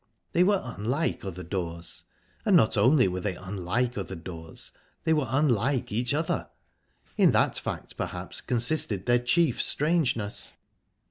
They were unlike other doors. And not only were they unlike other doors, they were unlike each other. In that fact, perhaps, consisted their chief strangeness.